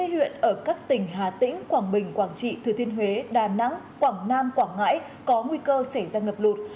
hai mươi huyện ở các tỉnh hà tĩnh quảng bình quảng trị thừa thiên huế đà nẵng quảng nam quảng ngãi có nguy cơ xảy ra ngập lụt